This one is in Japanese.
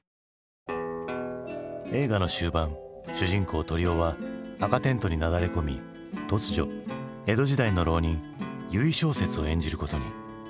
映画の終盤主人公鳥男は紅テントになだれ込み突如江戸時代の浪人「由井正雪」を演じることに。